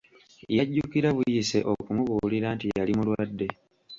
Yajjukira buyise okumubuulira nti yali mulwadde.